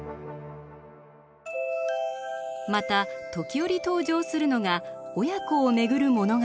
また時折登場するのが親子をめぐる物語。